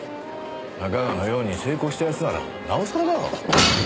仲川のように成功した奴ならなおさらだろ。